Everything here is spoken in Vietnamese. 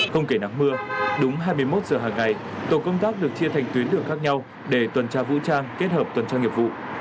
không kể nắng mưa đúng hai mươi một giờ hàng ngày tổ công tác được chia thành tuyến đường khác nhau để tuần tra vũ trang kết hợp tuần tra nghiệp vụ